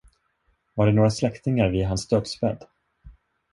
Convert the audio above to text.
Var det några släktingar vid hans dödsbädd?